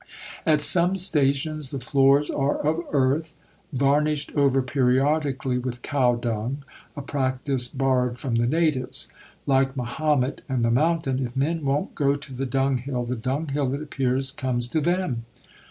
"At some stations the floors are of earth, varnished over periodically with cow dung: a practice borrowed from the natives. Like Mahomet and the mountain, if men won't go to the dunghill, the dunghill, it appears, comes to them."